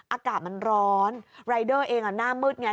อากาศมันร้อนรายเดอร์เองหน้ามืดไง